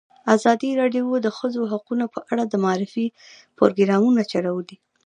ازادي راډیو د د ښځو حقونه په اړه د معارفې پروګرامونه چلولي.